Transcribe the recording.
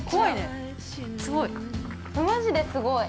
すごい。